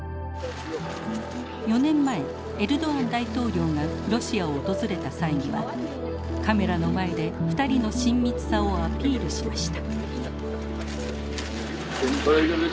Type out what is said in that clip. ４年前エルドアン大統領がロシアを訪れた際にはカメラの前で２人の親密さをアピールしました。